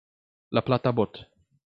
La Plata Bot.